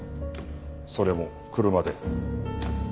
それも車で。